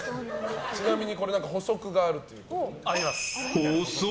ちなみに、これ補足があると。